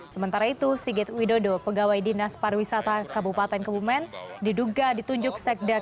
sementara itu sigit widodo pegawai dinas pariwisata kabupaten kebumen diduga ditunjuk sekda kebupaten